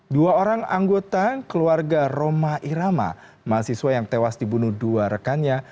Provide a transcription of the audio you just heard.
dua orang anggota keluarga roma irama mahasiswa yang tewas dibunuh dua rekannya